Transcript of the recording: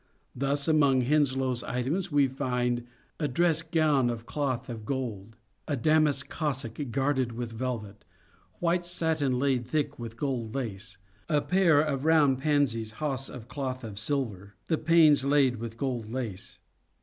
Thus among Henslowe's items we find " a dress gowne of cloth of gold," " a damask cassock guarded with velvet," " white satin layde thick with gold lace," " a payer of rowne pandes hosse of cloth of silver, the panes layd with gold lace."